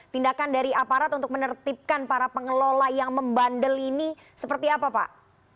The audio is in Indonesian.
tindakan dari aparat untuk menertibkan para pengelola yang membandel ini seperti apa pak